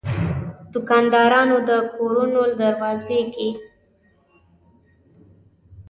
د واکدارانو د کورونو دروازو کې